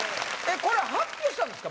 これ発表したんですか？